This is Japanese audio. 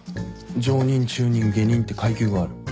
上忍中忍下忍って階級がある。